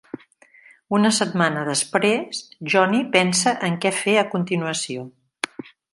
Una setmana després, Johnny pensa en què fer a continuació.